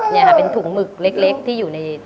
นี่ค่ะเป็นถุงหมึกเล็กที่อยู่ใน